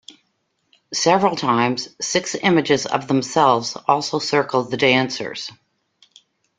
Several times six images of themselves also circle the dancers.